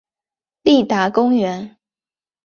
立达公园。